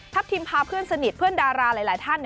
ทิมพาเพื่อนสนิทเพื่อนดาราหลายท่าน